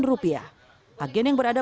agen yang berada di dalam sistem ini